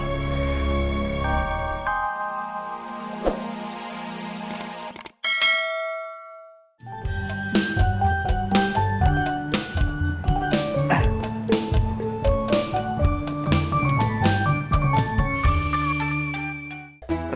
tidak ada yang bisa dikira